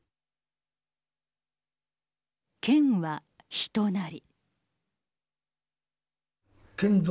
剣は人なり。